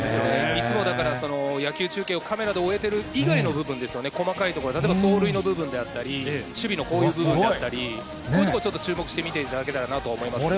いつもだから野球中継をカメラで追えてる以外の部分ですよね、細かいところ、例えば走塁の部分であったり、守備のこういう部分であったり、こういうところ、ちょっと注目して見ていただきたいと思いますね。